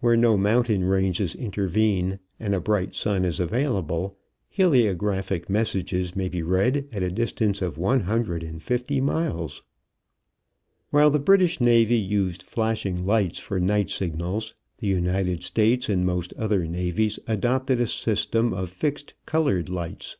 Where no mountain ranges intervene and a bright sun is available, heliographic messages may be read at a distance of one hundred and fifty miles. While the British navy used flashing lights for night signals, the United States and most other navies adopted a system of fixed colored lights.